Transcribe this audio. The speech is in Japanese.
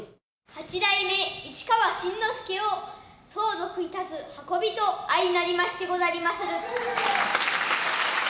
八代目市川新之助を相続いたす運びと相成りましてござりまする。